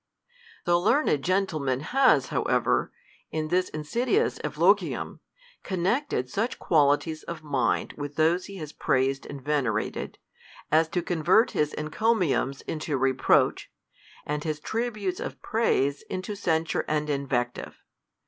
The learned gentleman has, however, in this insidi ous eulogium, connected such qualities of mind with' those he has praised and venerated, as to convert hig encomiums into reproach, and his tributes of praise in to censure and invective.